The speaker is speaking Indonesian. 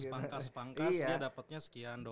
pangkas pangkas dia dapatnya sekian doang gitu ya